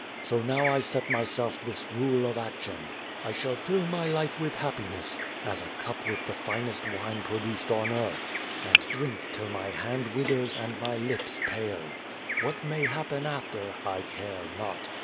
So now I set myself this rule of ac tion. I shall fill my life with happiness, as a cup with the finest wine produced on earth, and drink till my hand with ers and my lips pale. What may happen after I care not.